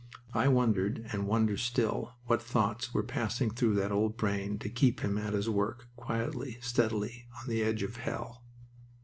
I wondered, and wonder still, what thoughts were passing through that old brain to keep him at his work, quietly, steadily, on the edge of hell.